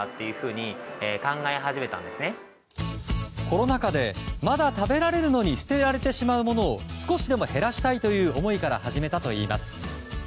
コロナ禍でまだ食べられるのに捨てられてしまうものを少しでも減らしたいという思いから始めたといいます。